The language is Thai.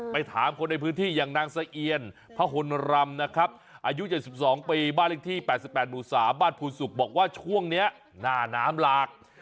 ไปถามคนในพื้นที่อย่างนางสะเอียนพหนรำนะครับอายุ๗๒ปีบ้านเลขที่๘๘หมู่๓บ้านภูนสุกบอกว่าช่วงนี้หน้าน้ำหลาก